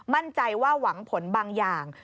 มั่นใจว่าหวังผลบางอย่าง